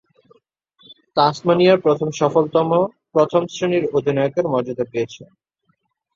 তাসমানিয়ার প্রথম সফলতম প্রথম-শ্রেণীর অধিনায়কের মর্যাদা পেয়েছেন।